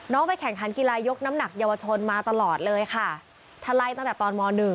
ไปแข่งขันกีฬายกน้ำหนักเยาวชนมาตลอดเลยค่ะถ้าไล่ตั้งแต่ตอนมหนึ่ง